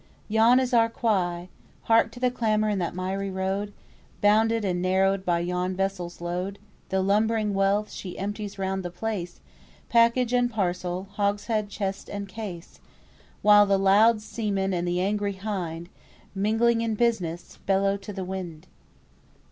"Yon is our quay! Hark to the clamour in that miry road, Bounded and narrowed by yon vessel's load; The lumbering wealth she empties round the place, Package and parcel, hogshead, chest and case: While the loud seaman and the angry hind, Mingling in business, bellow to the wind."